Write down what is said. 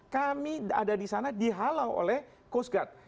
kami ada di sana dihalau oleh coast guard